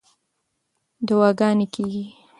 دعاګانې کېږي.